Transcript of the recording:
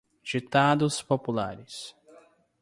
Ditados populares.